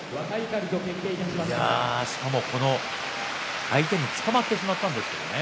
しかも、相手につかまってしまったんですけどね。